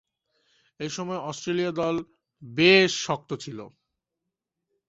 ঐ সময়ে অস্ট্রেলিয়া দল বেশ দূর্বল ছিল।